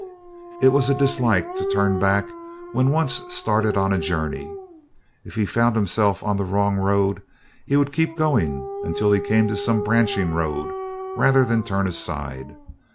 It was a dislike to turn back when once started on a journey. If he found himself on the wrong road, he would keep going until he came to some branching road rather than turn aside.